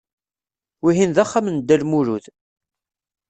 Wihin d axxam n Dda Lmulud.